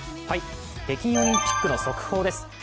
北京オリンピックの速報です。